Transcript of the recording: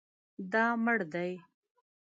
دا مړ دی